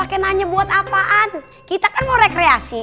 kita mau jalan jalan ke taman rekreasi